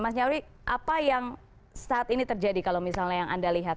mas nyarwi apa yang saat ini terjadi kalau misalnya yang anda lihat